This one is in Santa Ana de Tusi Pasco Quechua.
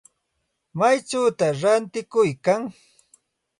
¿Maychawta ratikuykan?